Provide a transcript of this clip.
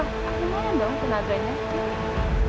kemana dong kena adrennya